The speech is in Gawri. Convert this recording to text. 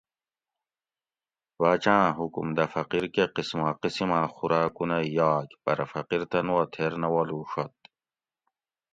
باۤچاۤں حکم دہ فقیر کہ قسماقسماں خوراکونہ یاگ پرہ فقیر تن وا تھیر نہ والُوڛت